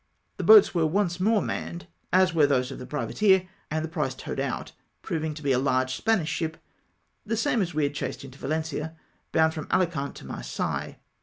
The boats were once more manned, as were also those of the privateer, and the prize towed out, proving to be a large Spanish ship — the same as we had chased into Valencia — bound from Alicant to Marseilles.